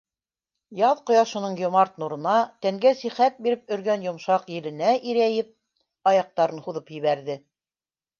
Яҙ ҡояшының йомарт нурына, тәнгә сихәт биреп өргән йомшаҡ еленә ирәйеп, аяҡтарын һуҙып ебәрҙе.